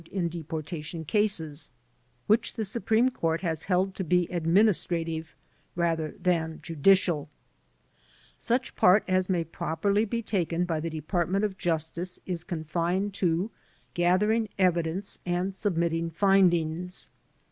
13 14 THE DEPORTATION CASES in deportation cases, which the Supreme Court has held to be administrative rather than judicial. Such part as may properly be taken by the Department of Justice is confined to gathering evidence and submitting findings.